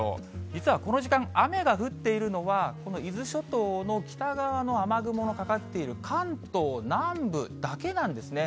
実はこの時間、雨が降っているのは、この伊豆諸島の北側の雨雲がかかっている関東南部だけなんですね。